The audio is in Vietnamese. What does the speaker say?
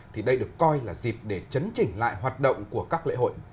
thì đây được coi là dịp để chấn chỉnh lại hoạt động của các lễ hội